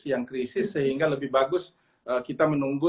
yang krisis sehingga lebih bagus kita menunggu